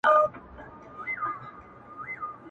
• د کوثر له حوضه ډکه پیمانه يې..